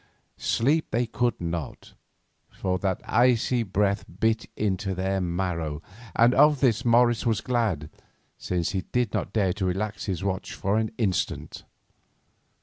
Sleep they could not, for that icy breath bit into their marrow, and of this Morris was glad, since he did not dare relax his watch for an instant.